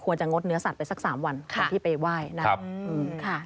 ควรจะงดเนื้อสัตว์ไปสัก๓วันของที่ไปว่ายนะ